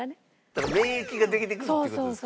だから免疫ができてくるっていう事ですか。